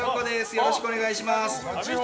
よろしくお願いします。